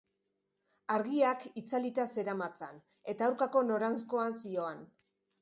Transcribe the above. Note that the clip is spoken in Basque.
Argiak itzalita zeramatzan eta aurkako noranzkoan zihoan.